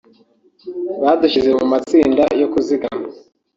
badushyize mu matsinda yo kuzigama